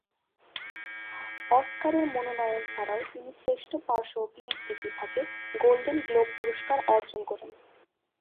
অস্কারের মনোনয়ন ছাড়াও তিনি শ্রেষ্ঠ পার্শ্ব অভিনেত্রী বিভাগে গোল্ডেন গ্লোব পুরস্কার অর্জন করেন।